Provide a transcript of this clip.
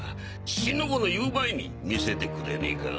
四の五の言う前に見せてくれねか？